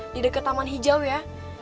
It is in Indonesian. di dekat taman hijau ya